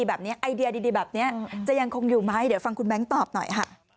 ไอเดียดีแบบนี้จะยังคงอยู่ไหมเดี๋ยวฟังคุณแบงค์ตอบหน่อยค่ะ